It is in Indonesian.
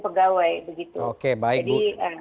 pegawai begitu oke baik jadi